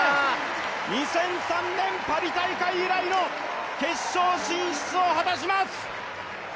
２００３年、パリ大会以来の決勝進出を果たします。